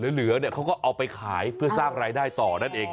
เหลือเนี่ยเขาก็เอาไปขายเพื่อสร้างรายได้ต่อนั่นเอง